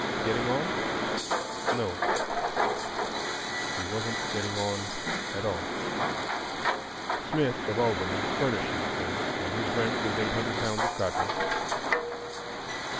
Getting on? No—he wasn't getting on at all. Smith of Albany "furnishes" him, and his rent is eight hundred pounds of cotton.